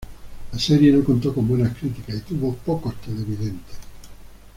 La serie no contó con buenas críticas y tuvo pocos televidentes.